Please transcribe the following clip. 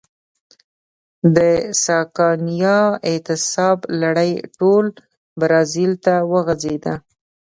د سکانیا اعتصاب لړۍ ټول برازیل ته وغځېده.